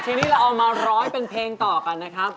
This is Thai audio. ทีนี้เราเอามาร้อยเป็นเพลงต่อกันนะครับ